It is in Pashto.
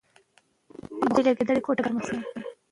که په ټولنه کې انصاف وي، نو تل به خوشحاله وي.